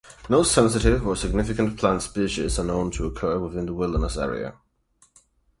No sensitive or significant plant species are known to occur within the wilderness area.